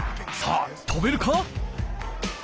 さあとべるか！？